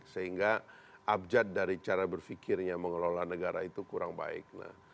sehingga abjad dari cara berfikirnya mengelola negara itu kurang baik